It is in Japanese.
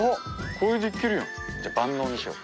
これでいけるやんじゃ万能にしよう。